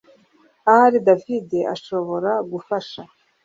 Ahari David ashobora gufasha